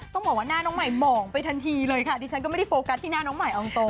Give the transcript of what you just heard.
ต้องบอกว่าหน้าน้องใหม่หมองไปทันทีเลยค่ะดิฉันก็ไม่ได้โฟกัสที่หน้าน้องใหม่เอาตรง